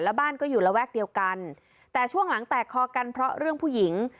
และบ้านก็อยู่ระแวกเดียวกันแต่ช่วงหลังแตกคอกันเพราะเรื่องผู้หญิง